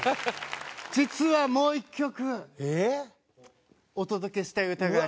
実はもう１曲お届けしたい歌があります。